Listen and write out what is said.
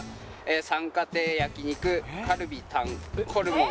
「さんか亭焼き肉カルビタンホルモン」